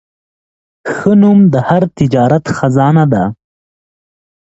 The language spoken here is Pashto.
ښه نوم د هر تجارت خزانه ده.